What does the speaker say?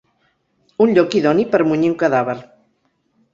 Un lloc idoni per munyir un cadàver.